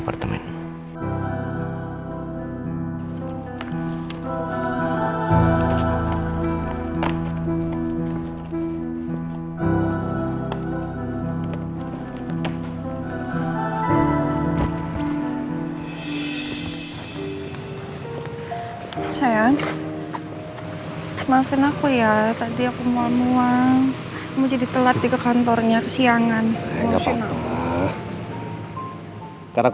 pak waktunya medidasya saya